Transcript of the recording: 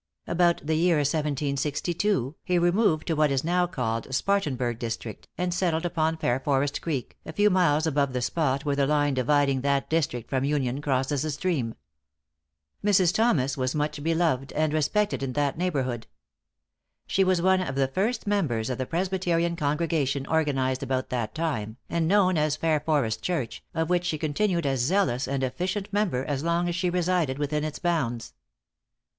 About the year 1762, he removed to what is now called Spartanburg District, and settled upon Fairforest Creek, a few miles above the spot where the line dividing that district from Union crosses the stream. Mrs. Thomas was much beloved and respected in that neighborhood. She was one of the first members of the Presbyterian congregation organized about that time, and known as Fairforest church, of which she continued a zealous and efficient member as long as she resided within its bounds.